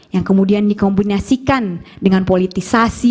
yang kemudian dikombinasikan dengan politisasi